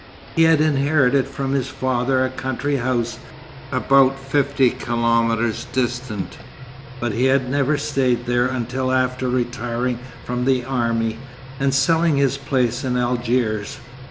He had inherited from his father a country house, about fifty kilometres distant, but he had never stayed there until after retiring from the army, and selling his place in Algiers.